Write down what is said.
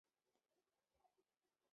史灌河